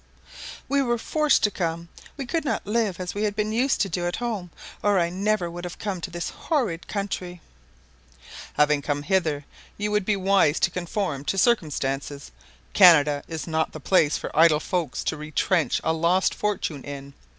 "We were forced to come. We could not live as we had been used to do at home, or I never would have come to this horrid country." "Having come hither you would be wise to conform to circumstances. Canada is not the place for idle folks to retrench a lost fortune in.